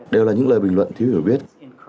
đều là những lời bình luận thiếu hiểu biết